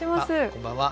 こんばんは。